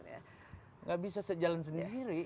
tidak bisa sejalan sendiri